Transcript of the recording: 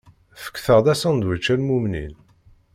Fket-aɣ-d asandwič a lmumnin!